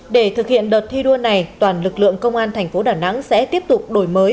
để thực hiện đợt thi đua này toàn lực lượng công an thành phố đà nẵng sẽ tiếp tục đổi mới